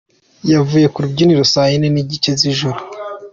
Yavuye ku rubyiniro saa yine n’igice z’ijoro.